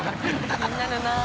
気になるなぁ。